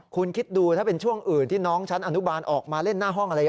คุณคิดดูถ้าเป็นช่วงอื่นที่น้องชั้นอนุบาลออกมาเล่นหน้าห้องอะไร